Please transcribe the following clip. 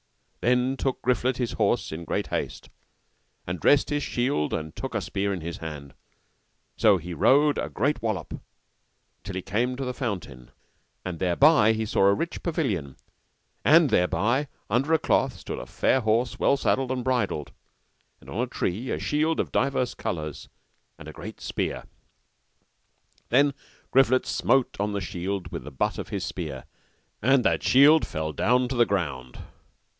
Then took Griflet his horse in great haste, and dressed his shield and took a spear in his hand, and so he rode a great wallop till he came to the fountain, and thereby he saw a rich pavilion, and thereby under a cloth stood a fair horse well saddled and bridled, and on a tree a shield of divers colours and a great spear. Then Griflet smote on the shield with the butt of his spear, that the shield fell down to the ground.